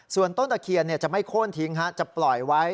ส่วนต้นตะเคียนจะไม่โค้นทิ้งจะปล่อยไว้